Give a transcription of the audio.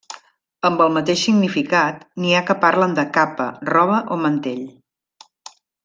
Amb el mateix significat n'hi ha que parlen de capa, roba o mantell.